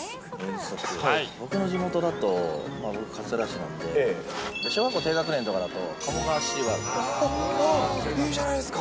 僕の地元だと、僕、勝浦市なんで、小学校低学年とかだと、いいじゃないですか。